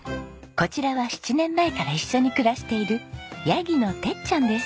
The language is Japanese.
こちらは７年前から一緒に暮らしているヤギのテッちゃんです。